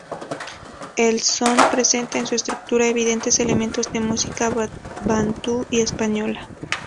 El son presenta en su estructura evidentes elementos de música bantú y española.